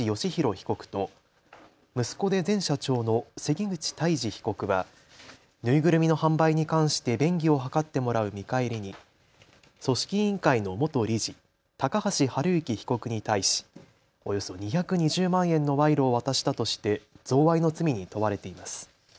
被告と息子で前社長の関口太嗣被告は縫いぐるみの販売に関して便宜を図ってもらう見返りに組織委員会の元理事、高橋治之被告に対しおよそ２２０万円の賄賂を渡したとして贈賄の罪に問われています。